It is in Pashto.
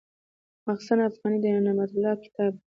مخزن افغاني د نعمت الله کتاب دﺉ.